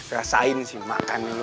rasain sih makannya lo